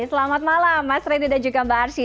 selamat malam mas brandi dan juga mbak arsyi